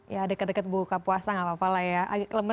ya deket deket buka puasa gak apa apa lah ya